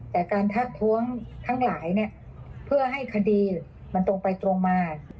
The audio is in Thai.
แต่การทักท้วงทั้งหลายเนี่ยเพื่อให้คดีมันตรงไปตรงมา